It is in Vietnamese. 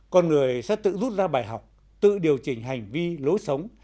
con người sẽ tự rút ra bài học tự điều chỉnh hành vi lối sống